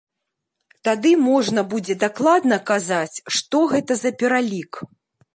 Тады можна будзе дакладна казаць, што гэта за пералік.